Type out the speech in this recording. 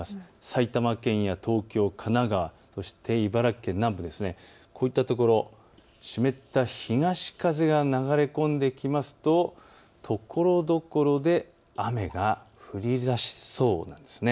埼玉県や東京、神奈川、そして茨城県南部、こういったところ、湿った東風が流れ込んできますとところどころで雨が降りだしそうです。